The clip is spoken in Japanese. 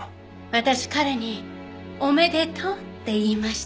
私彼におめでとうって言いました。